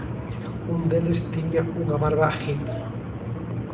Un deles tiña unha barba hippy.